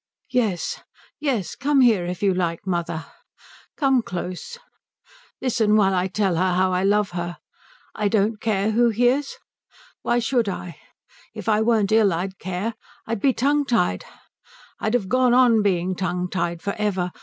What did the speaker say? "Yes, yes, come here if you like, mother come close listen while I tell her how I love her. I don't care who hears. Why should I? If I weren't ill I'd care. I'd be tongue tied I'd have gone on being tongue tied for ever.